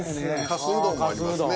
かすうどんもありますね。